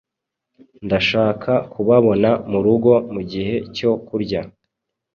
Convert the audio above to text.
Ndashaka kubabona murugo mugihe cyo kurya.